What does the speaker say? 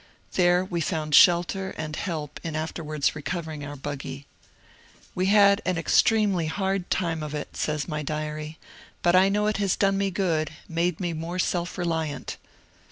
There we found shelter and help in afterwards recovering our buggy. " We had an extremely hard time of it," says my diary, ^' but I know it has done me good, — made me more self reliant."